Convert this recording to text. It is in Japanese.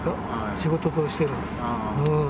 仕事としての。